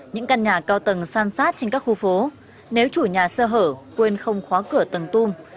những căn nhà cao tầng san sát trên các khu phố nếu chủ nhà sơ hở quên không khóa cửa tầng tung